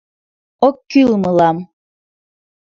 Ок кӱл мылам.